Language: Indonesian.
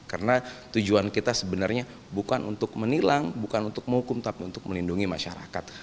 karena tujuan kita sebenarnya bukan untuk menilang bukan untuk menghukum tapi untuk melindungi masyarakat